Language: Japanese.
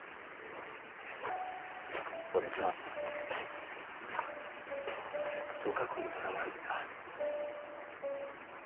俺さずっと過去にとらわれてた。